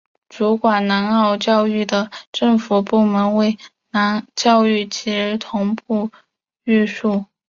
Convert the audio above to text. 主管南澳教育的政府部门为教育及儿童培育署。